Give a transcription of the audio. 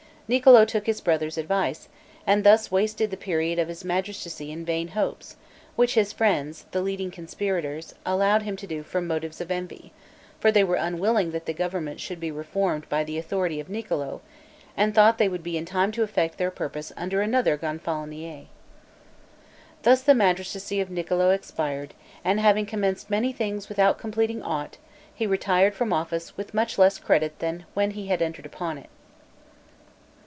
Niccolo took his brother's advice, and thus wasted the period of his magistracy in vain hopes, which his friends, the leading conspirators, allowed him to do from motives of envy; for they were unwilling that the government should be reformed by the authority of Niccolo, and thought they would be in time enough to effect their purpose under another gonfalonier. Thus the magistracy of Niccolo expired; and having commenced many things without completing aught, he retired from office with much less credit than when he had entered upon it.